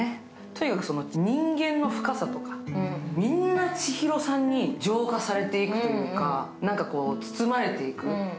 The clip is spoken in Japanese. とにかく人間の深さとか、みんなちひろさんに浄化されていくというか、包まれていく。